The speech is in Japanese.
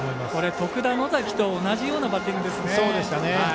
徳田、野崎と同じようなバッティングですね。